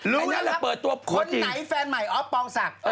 รู้นะครับคนไหนแฟนใหม่ออฟปองศักดิ์